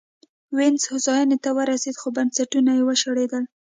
وینز هوساینې ته ورسېد خو بنسټونه یې وشړېدل